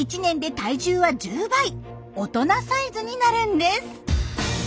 大人サイズになるんです。